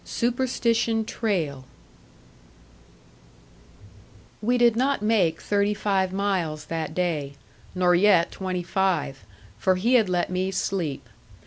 SUPERSTITION TRAIL We did not make thirty five miles that day, nor yet twenty five, for he had let me sleep.